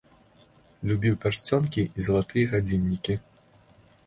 Любіў пярсцёнкі і залатыя гадзіннікі.